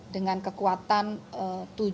dengan kekuatan tujuh atas tujuh gempa baru ini